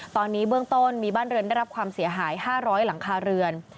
ตอนนี้เบื้องต้นมีบ้านเรือนได้รับความเสียหาย๕๐๐หลังคาเรือน